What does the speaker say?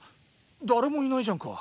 誰もいないじゃんか。